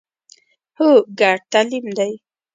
هو، ګډ تعلیم دی